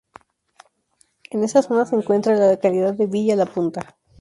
En esa zona se encuentra la localidad de Villa La Punta.